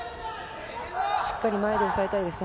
しっかり前で押さえたいですね。